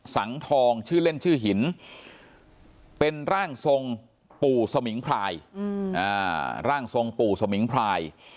สังทองชื่อเล่นชื่อหินเป็นร่างทรงปู่สมิงพรายร่างทรงปู่สมิงพราย